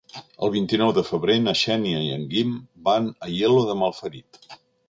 El vint-i-nou de febrer na Xènia i en Guim van a Aielo de Malferit.